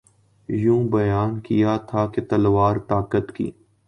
یوں بیان کیا تھا کہ تلوار طاقت کی